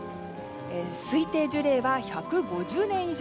推定樹齢は１５０年以上。